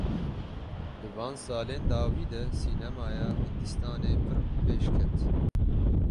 Di van salên dawî de sînemaya Hindistanê pir bi pêş ket.